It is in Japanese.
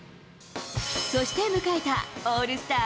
そして迎えたオールスター